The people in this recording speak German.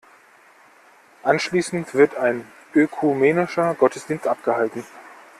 Anschließend wird ein ökumenischer Gottesdienst abgehalten.